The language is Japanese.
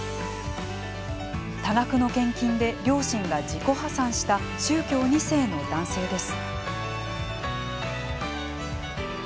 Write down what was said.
多額の献金で両親が自己破産した宗教２世の男性です。